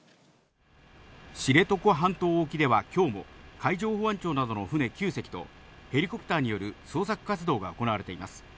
知床半島沖ではきょうも、海上保安庁などの船９隻と、ヘリコプターによる捜索活動が行われています。